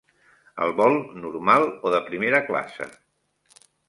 El vol normal o de primera classe?